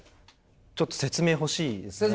ちょっと説明欲しいですね。